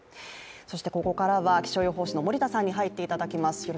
ここからは気象予報士の森田さんに入っていただきます。